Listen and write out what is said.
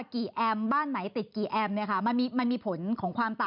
กี่แอมบ้านไหนติดกี่แอมมันมีผลของความต่ำ